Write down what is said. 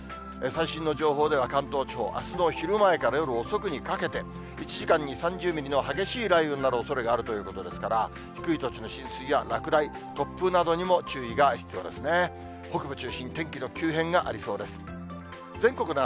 最新の情報では、関東地方、あすの昼前から夜遅くにかけて、１時間に３０ミリの激しい雷雨になるおそれがあるということですから、低い土地の浸水や落雷、突風などにも注意が必要ですね。